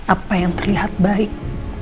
apa yang terlihat baik